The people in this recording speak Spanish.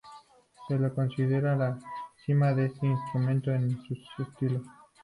Se le considera la cima de este instrumento en su estilo.